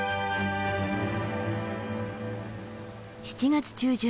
７月中旬